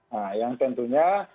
nah yang tentunya